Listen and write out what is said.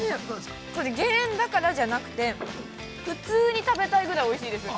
◆これ、減塩だからじゃなくて普通に食べたいぐらいおいしいです。